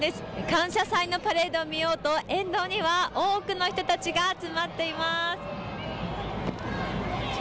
感謝祭のパレードを見ようと沿道には多くの人たちが集まっています。